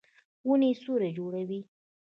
ونې سیوری جوړوي